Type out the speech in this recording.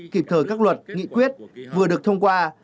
kịp thời các luật nghị quyết vừa được thông qua